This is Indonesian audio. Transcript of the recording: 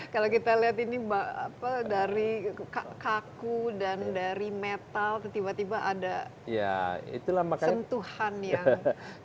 kalau kita lihat ini dari kaku dan dari metal tiba tiba ada sentuhan yang